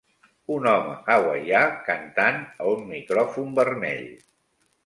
Un home hawaià cantant a un micròfon vermell.